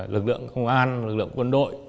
lực lượng công an lực lượng quân đội